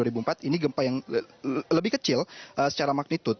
ini gempa yang lebih kecil secara magnitud